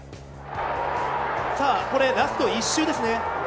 ラスト１周ですね。